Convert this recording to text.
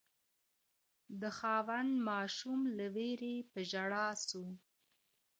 د خاوند ماشوم له وېري په ژړا سو